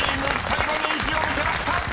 最後に意地を見せました！］